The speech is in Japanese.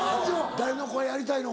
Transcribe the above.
誰の声やりたいの？